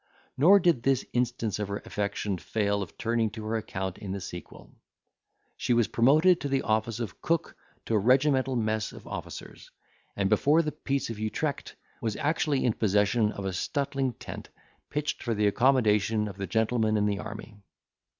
Nor did this instance of her affection fail of turning to her account in the sequel. She was promoted to the office of cook to a regimental mess of officers; and, before the peace of Utrecht, was actually in possession of a suttling tent, pitched for the accommodation of the gentlemen in the army.